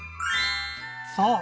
そう！